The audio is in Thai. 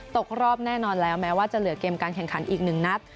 ตกรอบแน่นอนแล้วแม้ว่าจะเหลือเกมการแข่งขันอีกหนึ่งนัด